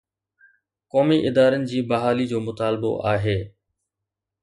قومي ادارن جي بحالي جو مطالبو آهي.